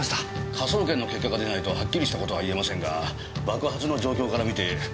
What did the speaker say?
科捜研の結果が出ないとはっきりした事は言えませんが爆発の状況から見てバイナリ式爆弾ではないかと。